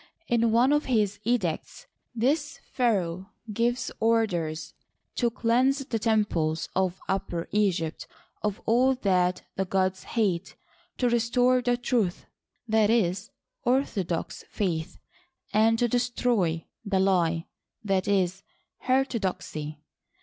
In one of his edicts this pharaoh gives orders "To cleanse the temples of Upper Egypt of all that the gods hate, to restore 'the truth (i. e., the orthodox faith), and to destroy * the lie ' Ti. e., heterodoxy)."